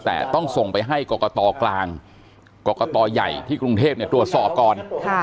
แต่ต้องส่งไปให้กรกตกลางกรกตใหญ่ที่กรุงเทพตรวจสอบก่อน